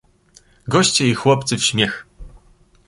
"Goście i chłopcy w śmiech."